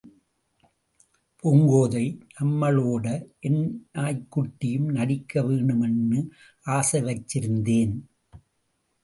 பூங்கோதை, நம்பளோடே என் நாய்க்குட்டியும் நடிக்க வேணுமின்னு ஆசை வைச்சிருந்தேன்.